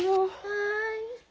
はい。